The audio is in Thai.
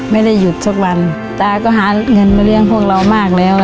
ไม่ได้หยุดสักวันตาก็หาเงินมาเลี้ยงพวกเรามากแล้ว